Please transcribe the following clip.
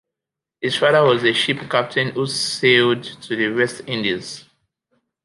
His father was a ship captain who sailed to the West Indies.